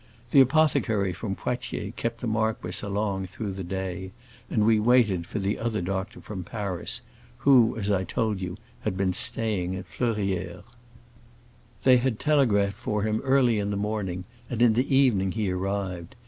The apothecary from Poitiers kept the marquis along through the day, and we waited for the other doctor from Paris, who, as I told you, had been staying at Fleurières. They had telegraphed for him early in the morning, and in the evening he arrived.